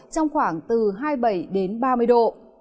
trong khoảng từ hai mươi bảy ba mươi độ